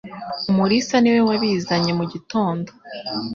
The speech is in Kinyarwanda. Umulisa niwe wabizanye mugitondo